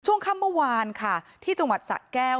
ช่วงค่ำเมื่อวานค่ะที่จังหวัดสะแก้ว